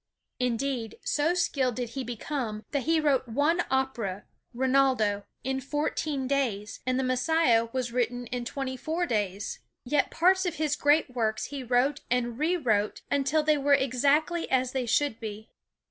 Indeed, so skilled did he become, that he wrote one opera "Rinaldo" in fourteen days, and the "Messiah" was written in twenty four days. Yet parts of his great works he wrote and rewrote until they were exactly as they should be.